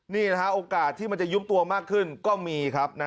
นี่แหละฮะโอกาสที่มันจะยุ้มตัวมากขึ้นก็มีครับ